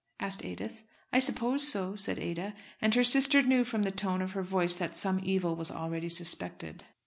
asked Edith. "I suppose so," said Ada. And her sister knew from the tone of her voice that some evil was already suspected.